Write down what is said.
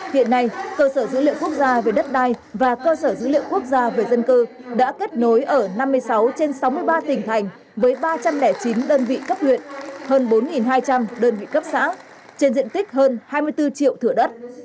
hiện nay cơ sở dữ liệu quốc gia về đất đai và cơ sở dữ liệu quốc gia về dân cư đã kết nối ở năm mươi sáu trên sáu mươi ba tỉnh thành với ba trăm linh chín đơn vị cấp huyện hơn bốn hai trăm linh đơn vị cấp xã trên diện tích hơn hai mươi bốn triệu thửa đất